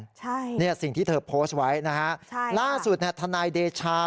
ใช่ค่ะนี่สิ่งที่เธอโพสต์ไว้นะฮะล่าสุดนะธนายเดชา